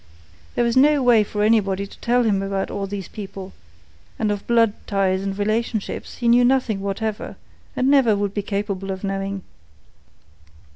There was no way for anybody to tell him about all these people, and of blood ties and relationship he knew nothing whatever and never would be capable of knowing.